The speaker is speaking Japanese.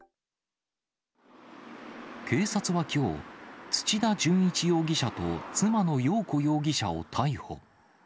警察はきょう、土田順一容疑者と妻の容子容疑者を逮捕。